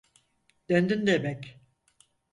Döndün demek.